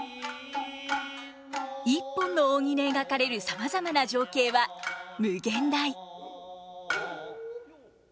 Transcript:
一本の扇で描かれるさまざまな情景は無限大。